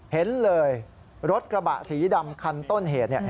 เห็นเลยรถกระบะสีดำคันต้นเหตุ